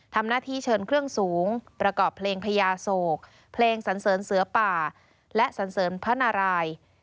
ทำหน้าที่เชิญเครื่องสูงประกอบเพลงพญาโศกเพลงสันเสริญเสือป่าและสันเสริญพระนาราย